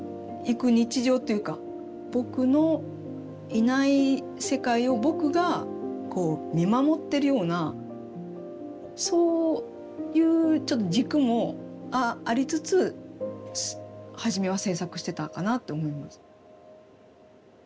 「ぼく」のいない世界を「ぼく」が見守ってるようなそういうちょっと軸もありつつ初めは制作してたかなって思います。